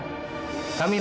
sebentar sini nak